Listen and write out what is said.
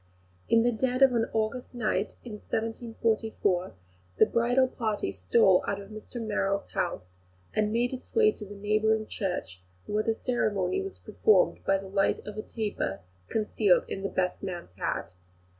In the dead of an August night, in 1744, the bridal party stole out of Mr Merrill's house, and made its way to the neighbouring church, where the ceremony was performed by the light of a taper concealed in the best man's hat.